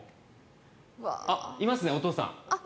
いますね、お父さん。